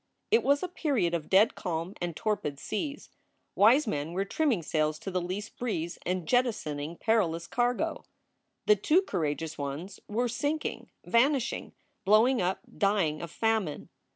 It was a period of dead calm and torpid seas. Wise men were trimming sails to the least breeze and jettisoning peril ous cargo. The too courageous ones were sinking, vanishing, blowing up, dying of famine.